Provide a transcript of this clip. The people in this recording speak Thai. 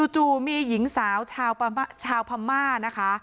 จู่มีหญิงสาวชาวพม่านะคะ